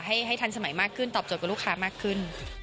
ให้ทันสมัยมากขึ้นตอบโจทย์กับลูกค้ามากขึ้น